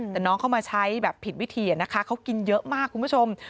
แต่น้องเข้ามาใช้แบบผิดวิธีนะคะเขากินเยอะมากคุณผู้ชม